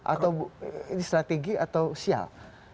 atau ini strategi atau sial